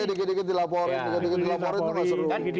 dikit dikit dilaporin dilaporin itu mas